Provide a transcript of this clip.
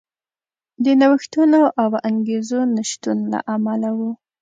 د نوښتونو او انګېزو نشتون له امله و.